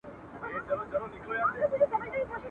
o مېړه څه وهلی، څه پوري وهلی.